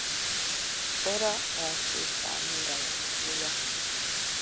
Sora első számú rajongója.